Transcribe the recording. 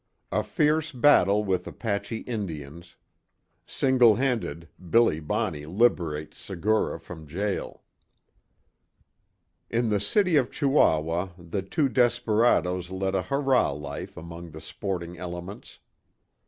A FIERCE BATTLE WITH APACHE INDIANS. SINGLE HANDED BILLY BONNEY LIBERATES SEGURA FROM JAIL. In the city of Chihuahua, the two desperadoes led a hurrah life among the sporting elements.